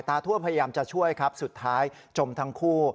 ท่วมพยายามจะช่วยครับสุดท้ายจมทั้งคู่